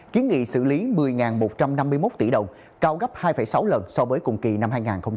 kiến nghị xử lý một mươi một trăm năm mươi một tỷ đồng cao gấp hai sáu lần so với cùng kỳ năm hai nghìn một mươi tám